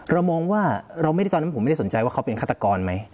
เรามองว่าเราไม่ได้ตอนนั้นผมไม่ได้สนใจว่าเขาเป็นฆาตกรไหม